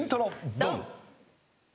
ドン！